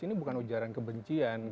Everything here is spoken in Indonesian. ini bukan ujaran kebencian